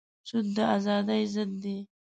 سود د ازادۍ ضد دی.